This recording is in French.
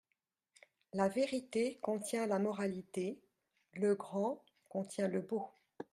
La vérité contient la moralité, le grand contient le beau.